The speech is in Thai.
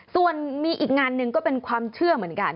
ส่วนมีอีกงานหนึ่งก็เป็นความเชื่อเหมือนกัน